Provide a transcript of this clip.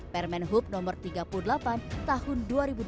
permen hub no tiga puluh delapan tahun dua ribu dua puluh